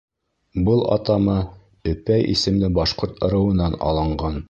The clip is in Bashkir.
Был атама «Өпәй» исемле башҡорт ырыуынан алынған.